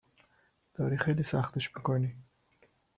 !داری خیلی سختش می کنی